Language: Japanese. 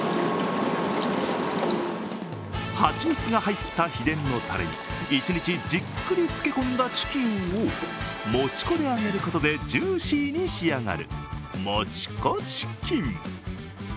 蜂蜜が入った秘伝のタレに一日じっくり漬け込んだチキンを餅粉で揚げることでジューシーに仕上がるモチコチキン。